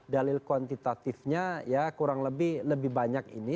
dalil kuantitatifnya ya kurang lebih lebih banyak ini